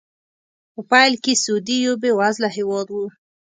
په پیل کې سعودي یو بې وزله هېواد و.